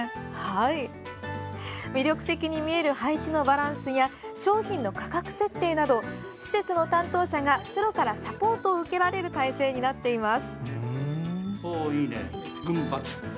魅力的に見える配置のバランスや商品の価格設定など施設の担当者がプロからサポートを受けられる体制になっています。